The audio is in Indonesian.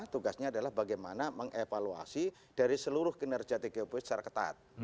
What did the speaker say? tugasnya adalah bagaimana mengevaluasi dari seluruh kinerja tgp secara ketat